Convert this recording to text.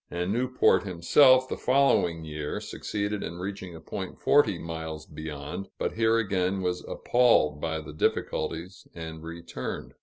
and Newport himself, the following year, succeeded in reaching a point forty miles beyond, but here again was appalled by the difficulties and returned.